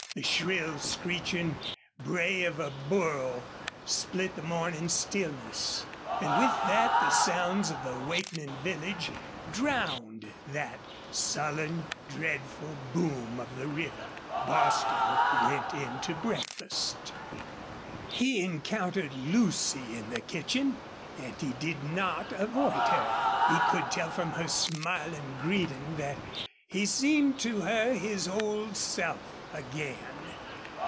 The shrill, screeching bray of a burro split the morning stillness, and with that the sounds of the awakening village drowned that sullen, dreadful boom of the river. Bostil went in to breakfast. He encountered Lucy in the kitchen, and he did not avoid her. He could tell from her smiling greeting that he seemed to her his old self again.